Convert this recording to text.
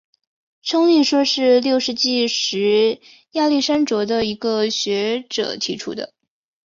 冲力说是六世纪时亚历山卓的一个学者提出的。